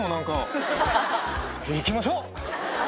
行きましょう！